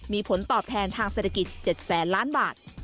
มีผลตอบแทนทางเศรษฐกิจ๗แสนล้านบาท